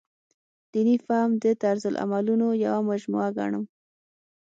دیني فهم د طرزالعملونو یوه مجموعه ګڼم.